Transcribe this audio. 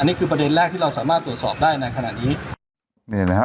นี่คือประเด็นแรกที่เราสามารถตรวจสอบได้ในขณะนี้นี่เห็นไหมครับ